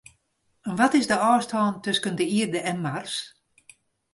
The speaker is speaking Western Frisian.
Wat is de ôfstân tusken de Ierde en Mars?